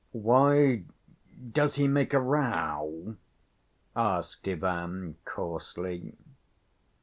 "Why, does he make a row?" asked Ivan coarsely.